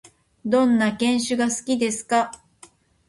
どんな犬種が好きですか？